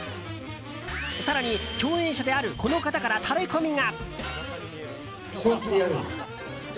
更に、共演者であるこの方からタレコミが。